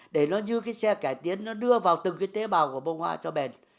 để nó như cái xe cải tiến nó đưa vào từng cái tế bào của bông họa cho bền